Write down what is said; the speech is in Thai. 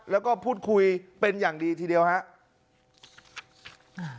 แล้วก็พูดคุยเป็นอย่างดีทีเดียวครับ